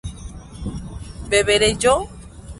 ¿beberé yo?